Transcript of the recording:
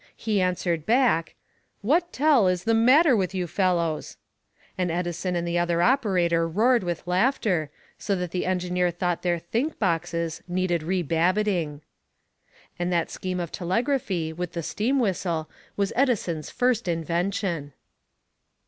He answered back, "What t'ell is the matter with you fellows?" And Edison and the other operator roared with laughter, so that the engineer thought their think boxes needed re babbitting. And that scheme of telegraphy with a steam whistle was Edison's first invention.